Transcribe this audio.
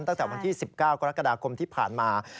ตั้งแต่วันที่๑๙กรกฎาคมที่ผ่านมา